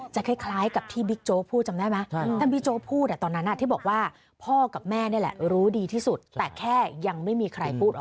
คล้ายกับที่บิ๊กโจ๊กพูดจำได้ไหมท่านบิ๊กโจ๊กพูดตอนนั้นที่บอกว่าพ่อกับแม่นี่แหละรู้ดีที่สุดแต่แค่ยังไม่มีใครพูดออก